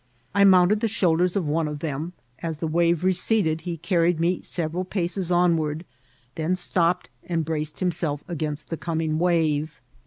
I mounted the shoul ders of one of them ; as the wave receded he carried me several paces onward, then stopped and braced himself against the coming wave.